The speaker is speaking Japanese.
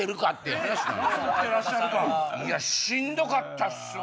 いやしんどかったっすわ。